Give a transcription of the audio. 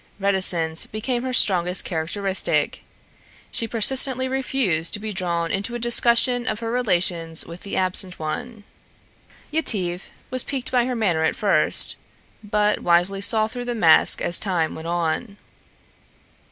Reticence became her strongest characteristic. She persistently refused to be drawn into a discussion of her relations with the absent one. Yetive was piqued by her manner at first, but wisely saw through the mask as time went on.